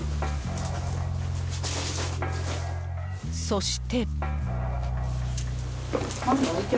そして。